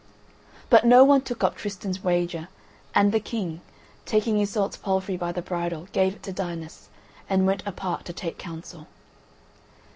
But no one took up Tristan's wager, and the King, taking Iseult's palfrey by the bridle, gave it to Dinas, and went apart to take counsel.